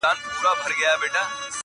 • دا خو خلګ یې راوړي چي شیرني ده..